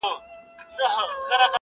لوستې نجونې د خلکو ترمنځ تفاهم پراخوي.